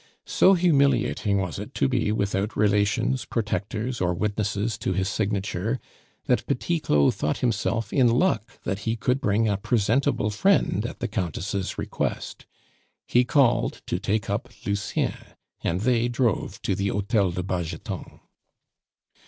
So humiliating was it to be without relations, protectors, or witnesses to his signature, that Petit Claud thought himself in luck that he could bring a presentable friend at the Countess' request. He called to take up Lucien, and they drove to the Hotel de Bargeton.